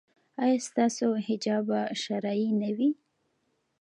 ایا ستاسو حجاب به شرعي نه وي؟